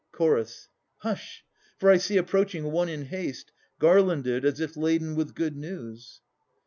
CH. Hush! For I see approaching one in haste, Garlanded, as if laden with good news.